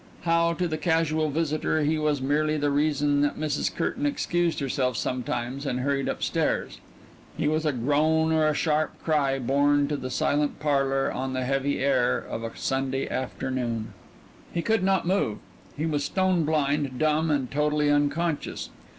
Now, to the casual visitor, he was merely the reason that Mrs. Curtain excused herself sometimes and hurried upstairs; he was a groan or a sharp cry borne to the silent parlor on the heavy air of a Sunday afternoon. He could not move; he was stone blind, dumb and totally unconscious.